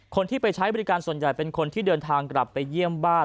คนที่ไปใช้บริการส่วนใหญ่เป็นคนที่เดินทางกลับไปเยี่ยมบ้าน